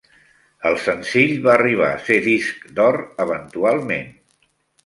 El senzill va arribar a ser disc d'or eventualment.